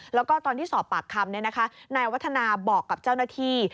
แล้วก็ตอนที่สอบปากคำนายวัฒนาบอกกับเจ้าหน้าที่